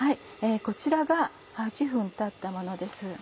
こちらが８分たったものです。